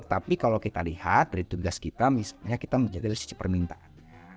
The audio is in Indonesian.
tapi kalau kita lihat dari tugas kita misalnya kita menjadi sisi permintaan